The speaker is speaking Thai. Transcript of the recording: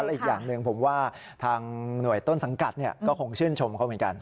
และอีกอย่างหนึ่งผมว่าทางหน่วยต้นสังกัดก็คงชื่นชมเขาเหมือนกัน